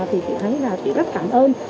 thì chị thấy là chị rất cảm ơn